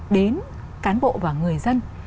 đến cán bộ và người dân